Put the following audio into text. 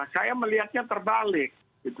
saya melihatnya terbalik